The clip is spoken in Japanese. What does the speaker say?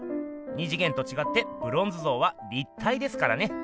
二次元とちがってブロンズ像は立体ですからね。